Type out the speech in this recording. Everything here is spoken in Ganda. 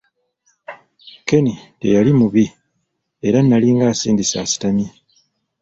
Ken teyali mubi era nali ng'asindise asitamye.